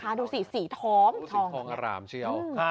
ค่ะดูสิสีท้อมสีท้องอร่ามเชี่ยว